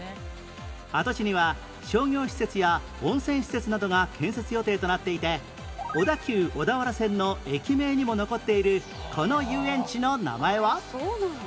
跡地には商業施設や温泉施設などが建設予定となっていて小田急小田原線の駅名にも残っているこの遊園地の名前は？